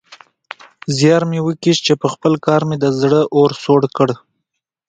زيار مې وکيښ چې پخپل کار مې د زړه اور سوړ کړ.